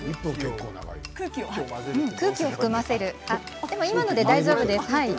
空気を含ませる、今ので大丈夫です。